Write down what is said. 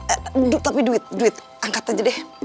aduh tapi duit duit angkat aja deh